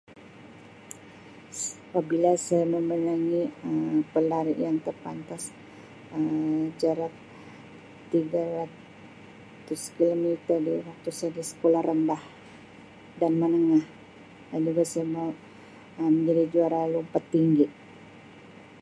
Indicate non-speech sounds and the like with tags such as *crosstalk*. Apabila saya memenangi Um pelari yang terpantas Um jarak tiga ratus kilometer dari sekolah rendah dan menengah *unintelligible* acara lompat tinggi